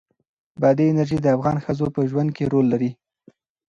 بادي انرژي د افغان ښځو په ژوند کې رول لري.